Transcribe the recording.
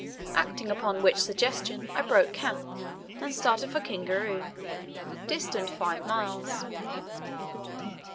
Acting upon which suggestion I broke camp and started for Kingaru, distant five miles.